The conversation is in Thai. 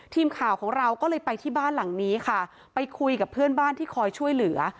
ทีมข่าวของเราก็เลยไปที่บ้านหลังนี้ค่ะไปคุยกับเพื่อนบ้านที่คอยช่วยเหลือ